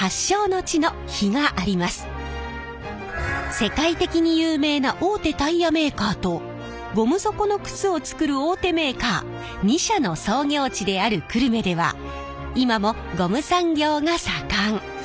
世界的に有名な大手タイヤメーカーとゴム底の靴を作る大手メーカー２社の創業地である久留米では今もゴム産業が盛ん。